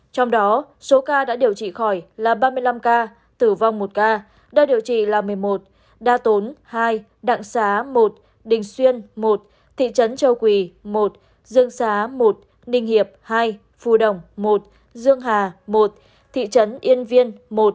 trong đó số ca đã điều trị khỏi là ba mươi năm ca tử vong một ca đa điều trị là một mươi một đa tốn hai đặng xá một đình xuyên một thị trấn châu quỳ một dương xá một ninh hiệp hai phù đồng một dương hà một thị trấn yên viên